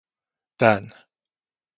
擲